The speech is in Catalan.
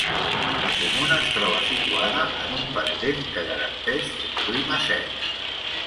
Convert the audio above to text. La comuna es troba situada en un pendent que garanteix un clima sec.